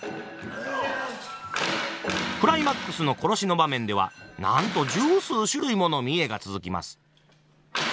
クライマックスの殺しの場面ではなんと十数種類もの見得が続きます。